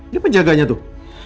dia penjaganya tuh